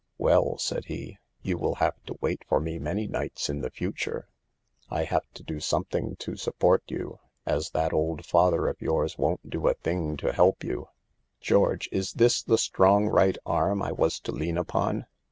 " Well," said he, " you will have to wait for me many nights in the future. I have to do THE EVILS OP DAHCING. 85 something to support you, as that old father of yours won't do a thing to help you." i; George, is this the 6 strong right arm ' I was to lean upon